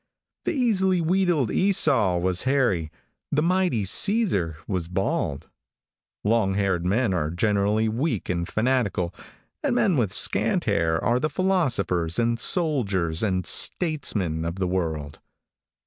The easily wheedled Esau was hairy. The mighty Caesar was bald. Long haired men are generally weak and fanatical, and men with scant hair are the philosophers, and soldiers, and statesmen, of the world.